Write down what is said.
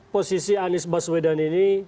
posisi anies baswedan ini